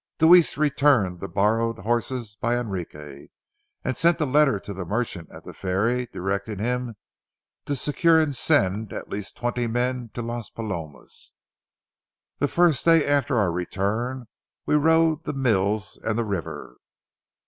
Deweese returned the borrowed horses by Enrique, and sent a letter to the merchant at the ferry, directing him to secure and send at least twenty men to Las Palomas. The first day after our return, we rode the mills and the river.